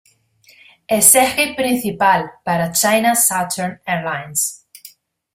Es eje principal para China Southern Airlines.